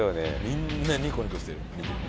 みんなニコニコして見てる。